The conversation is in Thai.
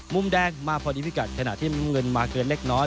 มุมแดงมาพอดีพิกัดขณะที่น้ำเงินมาเกินเล็กน้อย